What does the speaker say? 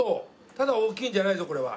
ただ大きいんじゃないぞこれは。